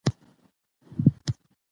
که ګروپ وي نو کار نه سختیږي.